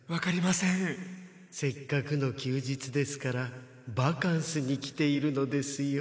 せっかくの休日ですからバカンスに来ているのですよ。